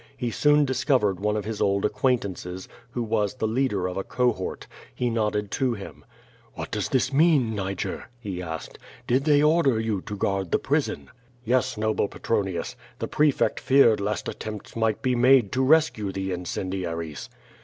He soon dis covered one of his old acquaintances, who was the leader of a cohort. He nodded to him. "What docs this mean, Niger?" he asked. "Did they order you to guard the prison?" "Yes, noble Petronius; the prefect feared lest attempts might be made to rescue the incendiaries."